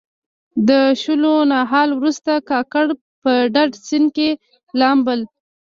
د شولو نهال وروسته کاکړ په ډډي سیند کې لامبل.